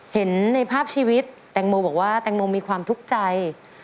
เห็นในภาพชีวิตแตงโมบอกว่าแตงโมมีความทุกข์ใจ